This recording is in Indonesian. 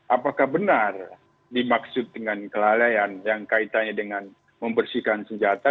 apakah benar dimaksud dengan kelalaian yang kaitannya dengan membersihkan senjata